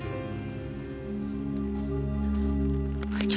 会長！